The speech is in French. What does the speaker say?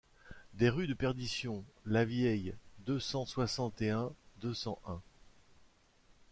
Des rues de perdition Lavieille deux cent soixante et un deux cent un.